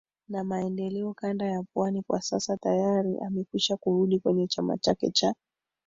na maendeleo kanda ya Pwani Kwa sasa tayari amekwisha kurudi kwenye chama chake cha